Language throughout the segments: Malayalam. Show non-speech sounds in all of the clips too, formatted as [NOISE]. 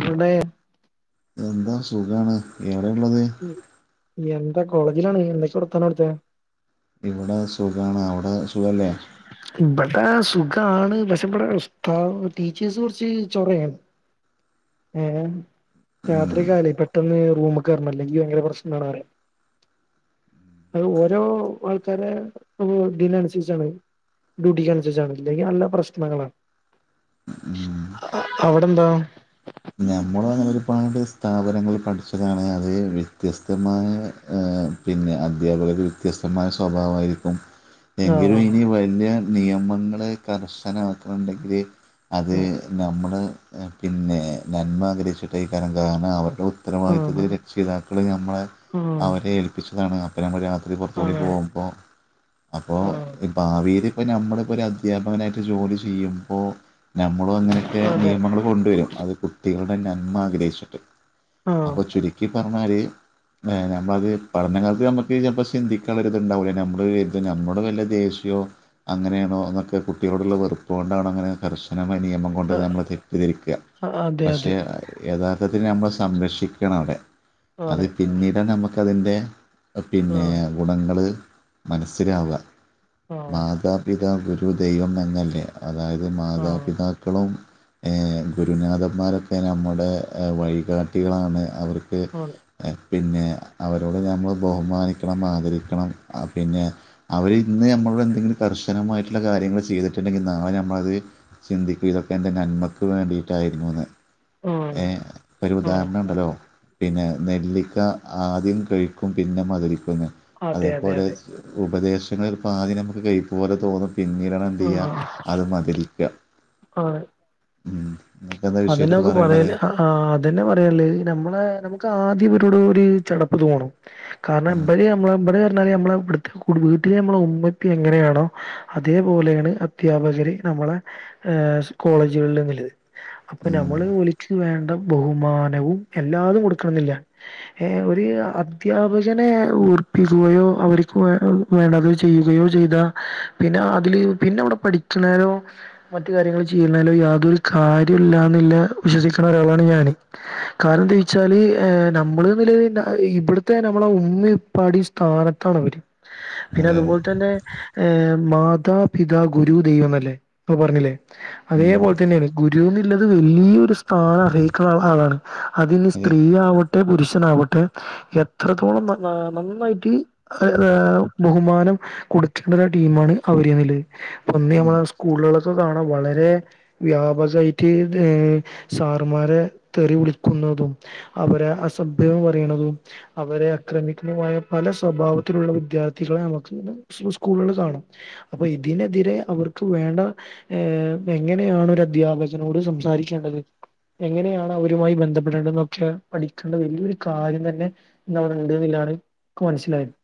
[UNINTELLIGIBLE] എന്താ സുഖാണ് എവടെ ഉള്ളത് എന്താ കോളേജിലാണ് എന്തൊക്കെ വാർത്താനം അവിടുത്തെ ഇവിടെ സുഖാണ് അവിടെ സുഖല്ലേ ഇബടെ സുഖാണ് പക്ഷെ ഇബടെ ഉസ്താ ടീച്ചേഴ്സ് കൊറച്ച് ചൊറേണ് ഏ ഉം രാത്രിയൊകായാലേ പെട്ടെന്ന് റൂമികേറണം അല്ലെങ്കി ഭയങ്കര പ്രശ്നാണ് പറയ അത് ഓരോ ആൾക്കാരെ [UNINTELLIGIBLE] [UNINTELLIGIBLE] സ്യൂട്ടിക്കനുസരിച്ചാണ്ഇല്ലെങ്കിൽ നല്ല പ്രശ്നങ്ങളാണ് ഉം അ അ അവിടെ എന്താ ഞമ്മളൊ ഞാൻ ഒരുപാട് സ്ഥാപനങ്ങൾ പഠിച്ചതാണ് അതിൽ വ്യത്യസ്തമായ ഏ പിന്നെ അധ്യാപകർ വ്യത്യസ്തമായ സ്വഭാവമായിരിക്കും [INAUDIBLE] എങ്കിലും ഇനി വലിയ നിയമങ്ങൾ കർശനം ആക്ണ്ടെ‌ങ്കില് അത് നമ്മുടെ പിന്നെ നന്മ ആഗ്രഹിച്ചിട്ട് അയ്ക്കാരം കാരണം അവരുടെ ആഹ് ഉത്തരവാദിത്വത്തിൽ രക്ഷിതാക്കൾ നമ്മളെ ആഹ് അവരെ ഏൽ പിച്ചതാണ് അപ്പൊ നമ്മൾ രാത്രി പുറത്ത് കൂടി ആണാണ് പോകുമ്പൊ അപ്പൊ ആഹ് ഭാവിൽ ഇപ്പൊ നമ്മള് ഇപ്പൊ ഒരു അദ്ധ്യാപകനായിട്ട് ജോലി ചെയ്യുമ്പോ നമ്മളും അങ്ങനെയൊക്കെ അതെ നിയമങ്ങൾ കൊണ്ടുവരും അത് കുട്ടികളുടെ നന്മ ആഗ്രഹിച്ചിട്ട് ആഹ് അപ്പൊ ചുരുക്കി പറഞ്ഞാല് ഏഹ് നമ്മളത് പഠന കാലത്ത് നമ്മക്ക് ചെലപ്പോൾ സിന്തിക്കാനുള്ള ഒരിതുണ്ടാവില്ല നമ്മൾ ഇത് നമ്മളോട് വല്ല്യ ദേശ്യയവും അങ്ങനേണോ എന്നൊക്കെ കുട്ടിക്ളോടുള്ള വെറുപ്പ്കൊണ്ടണോ അങ്ങനെ കർശനമായ നിയമം കൊണ്ട് നമ്മള് തെറ്റിദ്ധരിക്ക അതെ പക്ഷേ അതെ യഥാർത്ഥത്തിൽ നമ്മളെ സംരക്ഷിക്കാണ് അവിടെ അത് ആണ് പിന്നീടാണ് നമുക്കതിൻ്റെ പിന്നെ ആഹ് ഗുണങ്ങള് മനസ്സിലാവാ ആഹ് മാതാ പിതാ ഗുരു ദൈവം എന്നല്ലേ അതായത് ആഹ് മാതാപിതാ ക്കളും ഏഹ് ഗുരുനാഥന്മാരൊക്കെ നമ്മുടെ വഴികാട്ടികളാണ് അവര് ക്ക് ആണ് പിന്നെ അവരോട് നമ്മള് ബഹുമാനിക്കണം ആദരിക്കണം പിന്നെ അവര് ഇന്ന് നമ്മളോട് എന്തെങ്കിലും കർശനമായിട്ടുള്ള കാര്യങ്ങള് ചെയ്തിട്ടുണ്ടെങ്കില് നാളെ നമ്മളത് ചിന്തിക്കും ഇതൊക്കെ എൻ്റെ നന്മക്ക് വേണ്ടിയിട്ടായിരുന്നുന്ന് ആഹ് ഏ ഒരു ആഹ് ഉദാഹരണണ്ടല്ലോ പിന്നെ നെല്ലിക്ക ആദ്യം കയിക്കും പിന്നെ മതിരിക്കുന്ന് അതെ അതെ അതേപോലെ അതെ ഉപദേശങ്ങള് ചെലപ്പ ആദ്യം നമുക്ക് കൈപ്പ് പോലെ തോന്നും പിന്നീട് ടാണെന്തയ്യ ആഹ് അത് മധുരിക്ക അതിനൊക്കെ പറയലാ ആഹ് അതന്നെ പറയാള്ളത് നമ്മളെ നമുക്ക് ആദ്യം ഇവരോട് ഒരു ചടപ്പ് തോണും കാരണം ഉം. ഇപല് നമ്മള ഇപല് പറഞ്ഞാല് നമ്മള ഇവിടുത്തെ വീട്ടില് നമ്മള ഉമ്മീംഉപ്പിം എങ്ങനെയാണോ അതേപോലെയാണ് അദ്ധ്യാപകര് നമ്മളെ ഏ സ്കോളേജുകളില്ന്നുള്ളത് അപ്പൊ ഉം. നമ്മള് ഓൽക്ക് വേണ്ട ബഹുമാനവും എല്ലാതും കൊടുക്കണന്നില്ല ഏഹ് ഒരു അദ്ധ്യാപകനെ വെർപ്പിക്കുകയോ അവർക്കു വേ വേണ്ടത് ചെയ്യുകയോ ചെയ്താ പിന്നെ അതില് പിന്നെ അവടെ പഠിക്ക്ണേനോ മറ്റു കാര്യങ്ങള് ചെയ്യ്ണേലൊ യാതൊരു കാര്യോല്ലാന്ന്ല്ലെ വിശ്വസിക്ക്‌ണ ഒരാളാണ് ഞാന്. കാരണന്തെയ്ച്ചാല് ഏ നമ്മള് [UNINTELLIGIBLE] ഇവിടുത്തെ നമ്മളെ ഉമ്മിപ്പാടിസ് താനത്താണവര്. പിന്നെ അതെ അതെ അതുപോലതന്നെ ഏഹ് മാതാപിതാ ഗുരു ദൈവംന്നല്ലേ? ഇപ്പൊ പറഞ്ഞില്ലേ ഉം. അതേപോലതന്നേണ് ഗുരുന്നില്ലത് വല്ല്യോര് സ്ഥാനം അർഹിക്ക്ണ ആളാണ്. അത്‌നി അതെ സ്ത്രീയാവ ട്ടെ പുരുഷനാവട്ടെ എത്രത്തോളം ന നന്നായിട്ട് അആ ബഹുമാനം കൊട്ക്കേണ്ടത് ടീമാണ് അവര്ന്ന്ല്ലത്. ഒന്ന് ഉം. ഞമ്മളെ സ്കൂൾള്ളെ പ്പൊ കാണാ വളരേ വ്യാ പകായിറ്റ് സാറ്മ്മാരെ തെറി വിളിക്കുന്നതും, അവരെ അസഭ്യവും പറയ്ണതും അവരെ അക്രമിക്കുന്നതുമായ പല സ്വഭാവത്തിലുള്ള വിദ്യാർത്ഥികള് നമ്മക്ക് [UNINTELLIGIBLE] സ് സ്കൂള്ള് കാണും. അപ്പൊ ഇതിനെതിരെ അവർക്ക് വേണ്ട ഏ എങ്ങനെയാണ് ഒര ധ്യാപകനോട് സംസാരിക്കേണ്ടത് എങ്ങനെയാണ് അവരുമായി ബന്ധപ്പെടേണ്ടന്നൊക്കെ പഠിക്കേണ്ട വല്ല്യൊരുകാര്യം തന്നെ ഇന്നവടണ്ട്ന്ന്ല്ലാണ് ഇക്ക് മനസിലായത്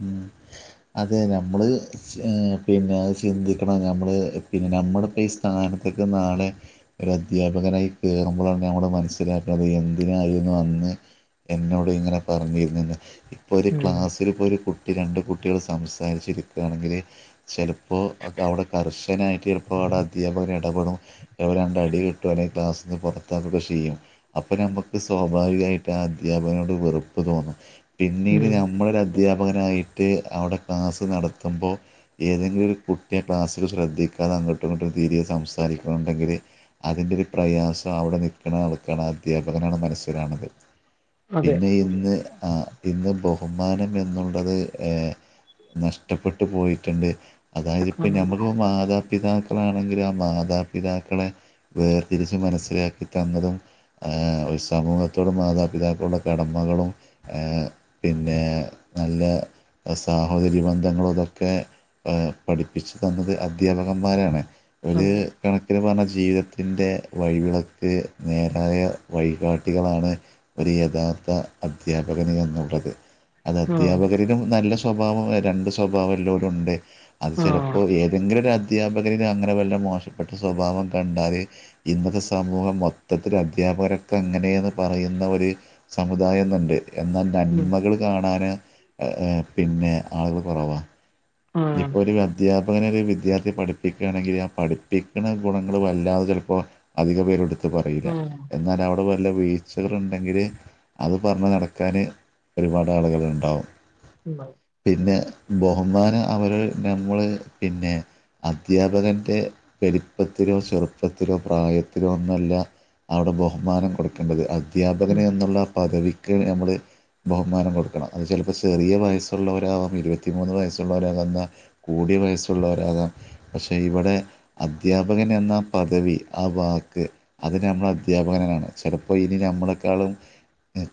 ഉം അതെ ഞമ്മള് പിന്നെ അത് ചിന്തിക്കണം ഞമ്മള് പിന്നെ ഞമ്മടെ പേസ് സ്ഥാനത്തേക്ക് നാളെ ഒരദ്യാപകനായി കേറുമ്പളാണ് നമ്മള് മനസ്സിലാക്ക്ണത് എന്തിനായിരുന്നു അന്ന് എന്നോട് ഇങ്ങനെ പറഞ്ഞിരുന്നു എന്ന് ഇപ്പൊര് ഉം ക്ലാസ്സില് പ്പൊരു കുട്ടി രണ്ട് കുട്ടികള് സംസാരിച്ച് ഇരിക്കാണെങ്കില് ചെലപ്പൊ അത് അവടെ കർശനായിട്ട് ചെലപ്പൊ അവടെ അധ്യാപകന് എടപെടും. [UNINTELLIGIBLE] രണ്ടടി കിട്ടും. അല്ലെങ്കി ക്ലാസ്ന്ന് പൊറത്താക്കൊക്കെ ചെയ്യും. അപ്പൊ ഞമ്മക്ക് സ്വാഭാവികായിട്ട് ആ അധ്യാപകനോട് വെറുപ്പ് തോന്നും പിന്നീട് ഉം ഞമ്മളൊര പകനായിട്ട് അവടെ ക്ലാസ്സ് നടത്തുമ്പോ ഏതെങ്കിലും ഒരു കുട്ട്യാ ക്ലാസ്സില് ശ്രദ്ധിക്കാതങ്ങട്ടും ഇങ്ങട്ടും തിര്‌യേ സംസാരിക്ക്ണോ ഇണ്ടെങ്കില്- അതിന്റെര് പ്രയാസം അവടെ നിക്ക്ണ ആൾക്കാണ് അധ്യാപകനാണ് മനസ്സിലാഹ്ണത് അതെ പിന്നെ ഇന്ന് ആ ഇന്ന് ബഹുമാനം എന്നു- ള്ളത്‌ ഏ നഷ്ടപ്പെട്ട് പോയിട്ട്ണ്ട്. അതായത്പ്പോ ആഹ് ഞമ്മക്ക് മാതാ- പിതാക്കളാണെങ്കിലും, ആ മാതാപിതാക്കളെ വേർതിരിച്ച്‌ മനസ്സിലാക്കി തന്നതും ആഹ് ഒര് സമൂഹത്തോടും മാതാപിതാക്കളോടൂള്ള കടമകളും ഏഹ് പിന്നെ- നല്ല സാഹോദര്യ ബന്ധങ്ങളും ഇതൊക്കെ- പഠിപ്പിച്ചു തന്നത് അധ്യാപകന്മാരാണ് അതെ ഒര്- കണക്കിന് പറഞ്ഞാ ജീവിതത്തിൻ്റെ വഴിവിളക്ക് നേരായ വഴികാട്ടികളാണ്- ഒര്‌ യഥാർത്ഥ അദ്ധ്യാപകന് എന്നുള്ളത് ആഹ് അദ്ധ്യാപകരിലും നല്ല സ്വഭാവോം രണ്ട് സ്വഭാവല്ലോരും ഇണ്ട്. അത് ആഹ് ചെലപ്പോ ഏതെങ്കിലും ഒര- ധ്യാപകരില് അങ്ങനെ വല്ല മോശപ്പെട്ട സ്വഭാവോം കണ്ടാല്- ഇന്നത്തെ സമൂഹം മൊത്തത്തില് അധ്യാപകരൊക്കെ അങ്ങനേന്ന് പറയുന്ന ഒര്- സമുദായംന്ന്ണ്ട് എന്നാ ഉം നന്മകള് കാണാന് പിന്നെ ആള്കള് കൊറവാ ആഹ് ഇഞ്ഞ്പ്പൊ ഒര് അ- അധ്യാപകനെ ഒര് വിദ്യാർത്ഥി പഠിപ്പിക്കാണെങ്കില് ആ പഠിപ്പിക്ക്ണ ഗുണങ്ങള് വല്ലാതെ ചെലപ്പൊ- അധിക പേരും ഇട്ത്ത് പറയൂല. ആഹ് എന്നാലവട വല്ല വീഴ്ചകള്ണ്ടെങ്കില്- അത് പറഞ്ഞ് നടക്കാാന് ഒരുപാടാള്കള്ണ്ടാവും ഇണ്ടാവും പിന്നെ ബഹുമാന അവര് നമ്മള് പിന്നെ- അദ്ധ്യാപകൻ്റെ പെരുപ്പത്തിലോ ചെറുപ്പത്തിലോ പ്രായത്തിലോ ഒന്നും അല്ല- അവടെ ബഹുമാനം കൊടുക്കേണ്ടത് ഉം അധ്യാപകന് എന്നുള്ള പദവി- ക്ക്‌ നമ്മള് ബഹുമാനം കൊടുക്കണം അത് ചിലപ്പോൾ ചെറിയ വയസ്സുള്ളവരാവാം ഇരുപത്തിമൂന്ന് വയസ്സുള്ളവരാ വന്ന കൂടി വയസ്സുള്ളവരാകാം പക്ഷേ ഇവിടെ അധ്യാപകൻ എന്ന പദവി ആ വാക്ക് അത് നമ്മള അധ്യാപകനാണ് ചിലപ്പോ ഇനി നമ്മളെക്കാളും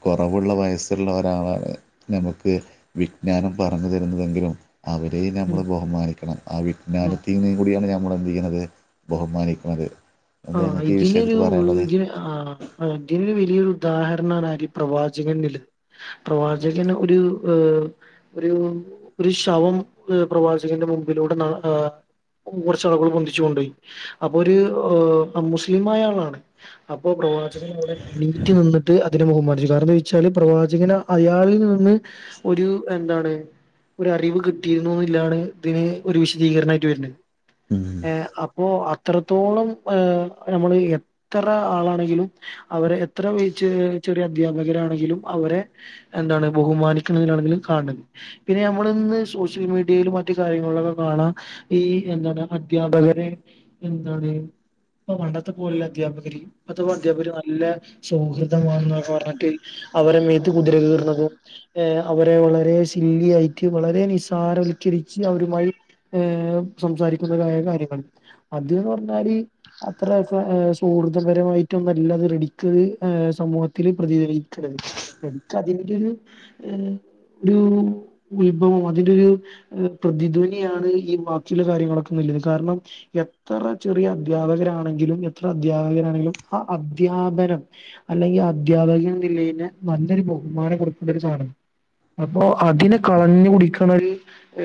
കുറവുള്ള വയസ്സ്ള്ള ഒരാളാണ് നമുക്ക് വിജ്ഞാനം പറഞ്ഞു തരുന്നതെങ്കിലും അവരെയും ഉം ഞമ്മള് ബഹുമാനിക്കണം ആ ഉം വിജ്ഞാനത്തീന്നീകൂടിയാണ് ഞ ന്ത്‌യ്യണത് ബഹുമാനിക്ക്‌ണത് ആഹ ഇതിനൊരു [UNINTELLIGIBLE] ആഹ അതിന് വലിയൊരു ഉദാഹരണാണ് അരി പ്രവാചകന്നില് പ്രവാചകന് ഒരു ഒരു ഒരു ശവം പ്രവാചകന്റെ മുമ്പിലൂടെ ന്ന ആ കുറച്ചാളുകള് പൊന്തിച്ചു കൊണ്ടോയി അപ്പൊ ഒരു മുസ്ലിംമായ ആളാണ് അപ്പൊ പ്രവാചകന് അവിടെ നീറ്റി നിന്നിട്ട് അതിനെ ബഹുമാനിച്ചു കാരണം ഈ ചളി പ്രവാചകന അയാളിൽ നിന്ന് ഒരു എന്താണ് ഒരറിവ് കിട്ടിയിരുന്നുന്നില്ലാണ് ഇതിന് ഒരു വിശദീകരണായിട്ട് വര്നെ ഏ അപ്പോ അത്രത്തോളം ഏ നമ്മള് എത്ര ആളാണെങ്കിലും അവരെ എത്ര വച്ച് ചെറിയ അധ്യാപകരാണെങ്കിലും അവരെ എന്താണ് ബഹുമാനിക്കിണതിലാണെങ്കിലും കാണത് പിന്നെ നമ്മൾ ഇന്ന് സോഷ്യൽ മീഡിയയിലും മറ്റു കാര്യങ്ങളിലൊക്കെ കാണാം ഈ എന്താണ് അദ്ധ്യാപകരെ എന്താണ് ഇപ്പൊ പണ്ടത്തെ പോലല്ല അധ്യാപകര് ഇപ്പത്തപോ അധ്യാപകര് നല്ല സൗഹൃദമാണെന്നൊക്കെ പറഞ്ഞിട്ട് അവരെ മേത്ത് കുതിര കേർന്നതും ഏ അവരെ വളരെ ശില്ലിയായിട്ട് വളരെ നിസാരവൽക്കരിച്ച് അവരുമായി ഏ സംസാരിക്കുന്നതായ കാര്യങ്ങൾ അത്ന്ന് പറഞ്ഞാല് അത്ര സുഹൃദപരമായിട്ടൊന്നല്ലത് റെഡിക്ക് സമൂഹത്തില് പ്രതികരിക്കണത് എനിക്ക് അതിന്റെ ഒരു ഒരു ഉത്ഭവം അതിന്റെ ഒരു ഒരു പ്രതിധ്വനിയാണ് ഈ വാക്കില കാര്യങ്ങളൊക്കെ നല്ലത് കാരണം എത്ര ചെറിയ അധ്യാപകരാണെങ്കിലും എത്ര അദ്ധ്യാപകരാണെങ്കിലും ആഹ് അദ്ധ്യാപനം അല്ലെങ്കിൽ അദ്ധ്യാപകന്നില്ലേന് നല്ലൊരു ബഹുമാനം കൊടുക്കുന്നൊരു സാധനം അപ്പൊ അതിന കളഞ്ഞു കുടിക്കണത്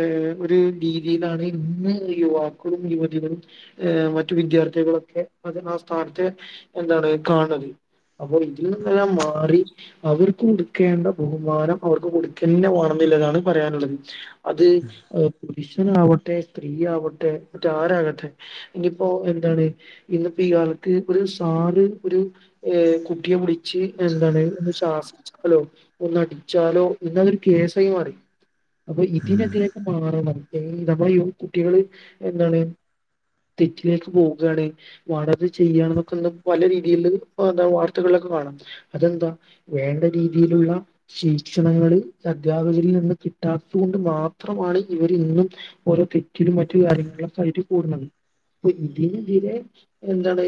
ഏഹ് ഒരു രീതിയിലാണ് ഇന്ന് യുവാക്കളും യുവതികളും ഏഹ് മറ്റ മറ്റു വിദ്യാർത്ഥികളൊക്കെ അത് ആഹ് സ്ഥാനത്ത് എന്താണ് കാണന്നത് അപ്പൊ ഇതിൽ നിന്നെല്ലാം മാറി അവർക്ക് കൊടുക്കേണ്ട ബഹുമാനം അവർക്ക് കൊടുക്കന്നെ വാണന്നില്ലതാണ് പറയാനുള്ളത് അത് പുരുഷനാവട്ടെ സ്ത്രീയാവട്ടെ മറ്റേ ആരാകട്ടെ ഇനി ഇപ്പൊ എന്താണ് ഇന്നപ്പം ഈയാൾക്ക് ഒരു സാധു ഒരു ഏഹ് കുട്ടിയെ വിളിച്ച് എന്താണ് ശ സിചാലോ ഒന്നടിച്ചാലോ ഇന്ന അതൊരു കേസായി മാറി അപ്പൊ ഇതിനെതിരെക്ക് മാറണം നമ്മള കുട്ടികള് എന്താണ് തെറ്റിലേക്ക് പോകാണ് വടത് ചെയ്യാ എന്നൊക്കെ പലരീതിയിയില് എന്ത വാർത്തകളിലൊക്കെ കാണാം അതെന്താ വേണ്ട രീതിയിലുള്ള ശീക്ഷണങ്ങള് അദ്ധ്യാപകരിൽ നിന്ന് കിട്ടാത്തത് കൊണ്ട് മാത്രമാണ് ഇവർ ഇന്നും ഓരോ തെറ്റിലും മറ്റു കാര്യങ്ങളൊക്കായിട്ട് കൂടുന്നത് പ്പൊ ഇതിന് എതിരെ എന്താണ്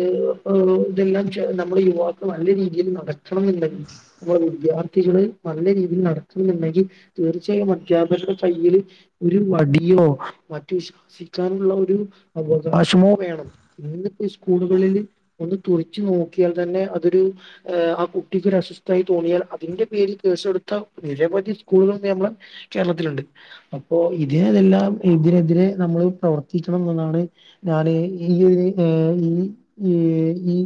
ഇതെല്ലാം നമ്മളെ യുവാക്ക നല്ല രീതിയിൽ നടക്കണം എന്നാണ് നമ്മള് വിദ്യാർത്ഥികള് നല്ല രീതിയിൽ നടത്തുന്നുണ്ടെങ്കിൽ തീർച്ചയായും അധ്യാപകരുടെ കയ്യിയില് ഒരു വടിയോ മറ്റു ശാസിക്കാനുള്ള ഒരു അവകാശമോ വേണം ഇന്നിപ്പോ സ്കൂളുകളിൽ ഒന്ന് തുറച്ച് നോക്കിയാൽ തന്നെ അതൊരു ആഹ് കുട്ടിക്ക് അസോസ്ത ആയി തോന്നിയാൽ അതിന്റെ പേരിൽ കേസേടുത്ത നിരവധി സ്കൂളുകൾ നമ്മള് കേരളത്തിലുണ്ട് അപ്പോ ഇതിനതെല്ലാം ഇതിനെതിരെ നമ്മള് പ്രവർത്തിക്കണം എന്നാണ് ഞാന് ഈ ഏഹ് ഈ ഈ ഈ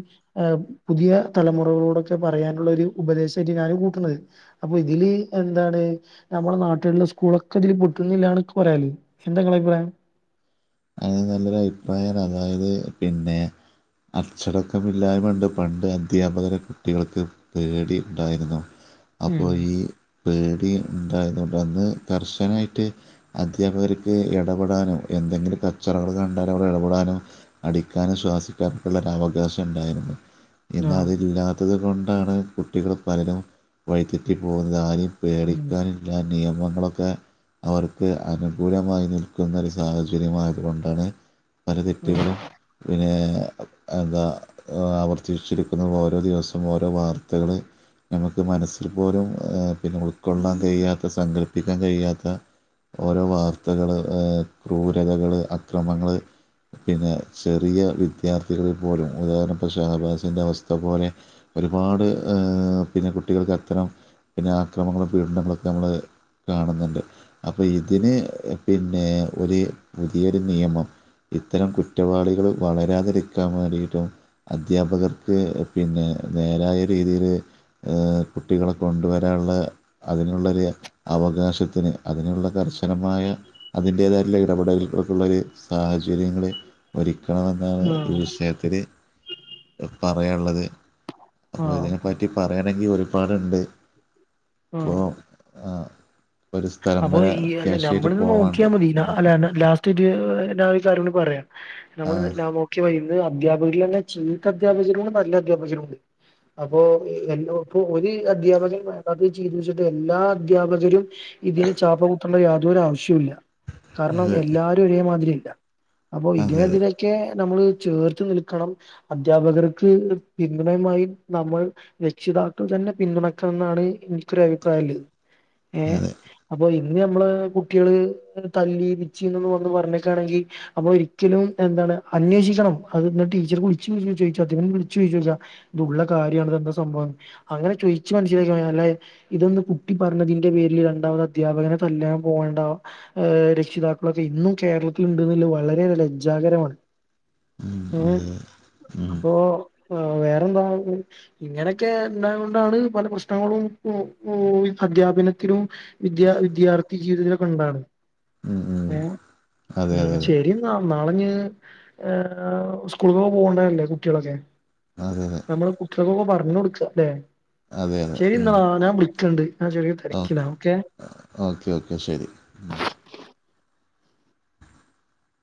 ആഹ് പുതിയ തലമുറകളോടൊക്കെ പറയാനുള്ള ഒരു ഉപദേശമായിട്ട് ഞന് കൂട്ടണുന്നത് അപ്പൊ ഇതില് എന്താണ് നമ്മുടെ നാട്ടിലുള്ള സ്കൂളൊക്കെ ഇതില് പൊട്ടുന്നില്ലന്ന് പറയാല് എന്ത നിങ്ങളെ അഭിപ്രായം ആഹ് നല്ലൊരു അഭിപ്രായം അതായത് പിന്നെ അച്ചടക്കമില്ലായ് ഉണ്ട് പണ്ട് അന്ധ്യാപകരെ കുട്ടികൾക്ക് പേടി ഉണ്ടായിരുന്നു അപ്പോൾ ഉം ഈ പേടി ഉണ്ടായിരുന്നുണ്ട് അന്ന് കർശനായിട്ട് അധ്യാപകർക്ക് ഇടപെടാനോ എന്തെങ്കിലും കച്ചറകൾ കണ്ടാലും അവിടെ ഇടപെടാനോ അടിക്കാനും ശാസിക്കാനൊക്കുള്ള ഒരു അവകാശം ഉണ്ടായിരുന്നു ഇന്ന് ആഹ് അതില്ലാത്തത് കൊണ്ടാണ് കുട്ടികൾ പലരും വഴിത്തെറ്റി പോകുന്നത് ആരും ഉം പേടിക്കാനും ഇല്ലാ നിയമങ്ങളൊക്കെ അവർക്ക് അനുകൂലമായി നിൽക്കുന്നൊ ഒരു സാഹചര്യമായി അതുകൊണ്ടാണ് പല ഉം തെറ്റുകളും പിന്നെ എന്താ ആവർത്തിച്ചിരിക്കുന്നത് ഓരോ ദിവസം ഓരോ വാർത്തകൾ നമുക്ക് മനസ്സിൽ പോലും പിന്നെ ഉൾക്കൊള്ളാൻ കഴിയാത്ത സങ്കല്പ്പിക്കാൻ കഴിയാത്ത ഓരോ വാർത്തകള് ക്രൂരതകള് അക്രമങ്ങള് പിന്നെ ചെറിയ വിദ്യാർത്ഥികളെ പോലും ഉദാഹരണ ഇപ്പ ഷഹബാസിന്റെ അവസ്ഥ പോലെ ഒരുപാട് പിന്നെ കുട്ടികൾക്ക് അത്തരം പിന്നെ ആക്രമങ്ങളും പീഡനങ്ങളൊക്കെ നമ്മൾ കാണുന്നുണ്ട് അപ്പൊ ഇതിന് പിന്നെ ഒരു പുതിയൊരു നിയമം ഇത്തരം കുറ്റവാളികൾ വളരാതിരിക്കാൻ വേണ്ടിയിട്ടും അദ്ധ്യാപകർക്ക് പിന്നെ നേരായ രീതിയില് എഹ് കുട്ടികളെ കൊണ്ടുവരാനുള്ള അതിനുള്ളൊരു അവകാശത്തിന് അതിനുള്ള കർഷ ഭയകരമായ അതിൻ്റേതായിട്ടുള്ള ഇടപെടലുകൾക്കുള്ളൊരു സാഹചര്യങ്ങള് ഒരുക്കണമെന്നാണ് ഈ ആഹ് വിഷയത്തിൽ പറയാള്ളത് അപ്പോൾ ആഹ് ഇതിനെപ്പറ്റി പറയണങ്കിൽ ഒരുപാടുണ്ട് പ്പോ ആഹ് അപ്പൊ ഈ അല്ല അത്യാവശ്യമായിട്ട് നമ്മളത് പോവാണ്ട് നോക്കിയാൽ മതി ന അല്ല ലാസ സ്റ്റിത് ഞാ ഒരു കരയുടി പറയാം ആ നമ്മൾ [UNINTELLIGIBLE] [UNINTELLIGIBLE] അധ്യാപകരിൽ തന്നെ ചീത്ത അധ്യാപകരുണ്ട് നല്ല അധ്യാപകരുണ്ട്. അപ്പൊ എ ഇപ്പൊ ഒരു അധ്യാപകൻ വേണ്ടത് ചെയ്തു വെച്ചിട്ട് എല്ലാ അധ്യാപകരും ഇതിന് ചാപ്പ കുത്തേണ്ട യാതൊരു ആവശ്യവുല്ല. കാരണം അതെ എല്ലാരും ഒരേമാതിരി അല്ല അപ്പൊ അതെ ഇതിനെതിരെ ഒക്കെ നമ്മളെ ചേർത്ത് നിൽക്കണം അദ്ധ്യാപകർക്ക് പിന്തുണയുമായി നമ്മൾ രക്ഷിതാക്കൾ തന്നെ പിന്തുണക്കണം എന്നാണ് എനിക്കൊ ഒരു അഭിപ്രായള്ളത് ഏഹ് അതെ അപ്പൊ ഇന്ന് നമ്മള് കുട്ടിള് തല്ലി മിച്ചിന്ന് വന്ന് പറഞ്ഞിക്കാണെങ്കിൽ അപ്പൊ ഒരിക്കലും എന്താണ് അന്വേഷിക്കണം അത് ടീച്ചർ വിളിച്ചേ ചോ ചോദിച്ചോ [UNINTELLIGIBLE] വിളിച്ചു ചോതിചോക്കാ ഇതുള്ള കാര്യണ ഇതെന്താ സംഭവം അങ്ങനെ ചോയിച്ചു മനസ്സിലാക്കിഞ്ഞാലേ ഇതൊന്ന് കുട്ടി പറഞ്ഞതിന്റെ പേരിൽ അധ്യാപകനെ തല്ലാൻ പോവണ്ട ഏഹ് രക്ഷിതാക്കളൊക്കെ ഇന്നും കേരളത്തിൽ ഉണ്ടെന്ന വളരെ ലജ്ജാകരമാണ്. ഏഹ് അതെ അപ്പോ വേറെന്താ. ഇങ്ങനെയൊക്കെ ഉണ്ടായുകൊണ്ടാണ് പല പ്രശ്നങ്ങളും ഉം ഉം അദ്ധ്യാപനത്തിനും വിദ്യാ വിദ്യാർത്ഥി ജീവിതത്തിലൊക്കെ ഉണ്ടാണ് ഉം ഉം ഏഹ് അതെ ഉം അതെ അതെ ശരി ന്നാ നാളെനി സ്കൂള പോ പോകണ്ടല്ലേ കുട്ടികളൊക്കെ അതെയതെ നമ്മള് കുട്ടികൾക്കൊക്കെ പറഞ്ഞ കൊടുക്ക ല്ലേ അതെ അതെ ശരി ഉം എന്നാ ഞാൻ വിളിക്കണ്ട്. ഞാൻ ചെറിയ തിരിക്കില്ല ഓക്കെ. ഓക്കെ ഓക്കെ ശരി ഉം